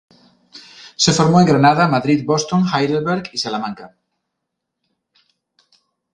Se formó en Granada, Madrid, Boston, Heidelberg y Salamanca.